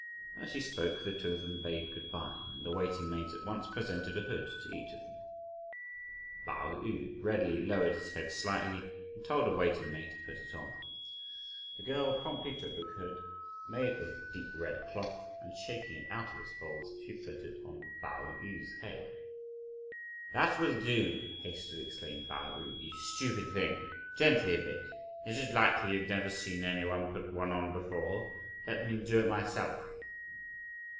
As she spoke the two of them bade good bye, and the waiting maids at once presented a hood to each of them. Pao yü readily lowered his head slightly and told a waiting maid to put it on. The girl promptly took the hood, made of deep red cloth, and shaking it out of its folds, she put it on Pao yü's head. "That will do," hastily exclaimed Pao yü. "You stupid thing! gently a bit; is it likely you've never seen any one put one on before? let me do it myself."